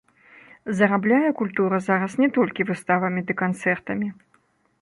Зарабляе культура зараз не толькі выставамі ды канцэртамі.